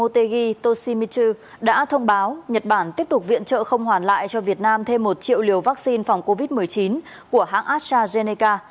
motegi toshimitchu đã thông báo nhật bản tiếp tục viện trợ không hoàn lại cho việt nam thêm một triệu liều vaccine phòng covid một mươi chín của hãng astrazeneca